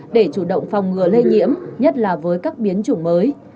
để chủ động phòng ngừa lây nhiễm nhất là với các biến chủng mới